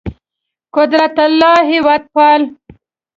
قدرت الله هېوادپال